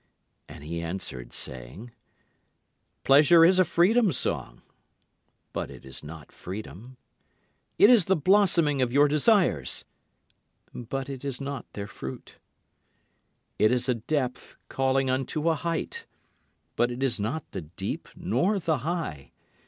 And he answered, saying: Pleasure is a freedom song, But it is not freedom. It is the blossoming of your desires, But it is not their fruit. It is a depth calling unto a height, But it is not the deep nor the high.